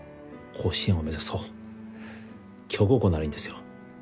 甲子園を目指そう強豪校ならいいんですよ